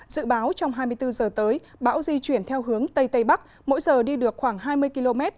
dự báo trong hai mươi bốn giờ tới bão di chuyển theo hướng tây tây bắc mỗi giờ đi được khoảng hai mươi km